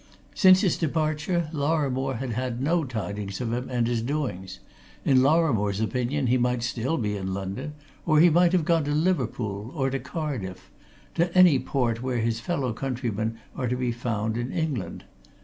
Since his departure, Lorrimore had had no tidings of him and his doings in Lorrimore's opinion, he might be still in London, or he might have gone to Liverpool, or to Cardiff, to any port where his fellow countrymen are to be found in England.